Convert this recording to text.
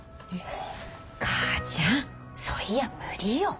母ちゃんそいや無理よ。